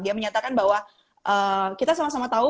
dia menyatakan bahwa kita sama sama tahu